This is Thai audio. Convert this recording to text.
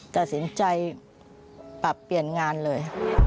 ตัดสินใจปรับเปลี่ยนงานเลย